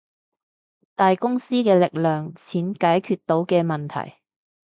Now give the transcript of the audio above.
大公司嘅力量，錢解決到嘅問題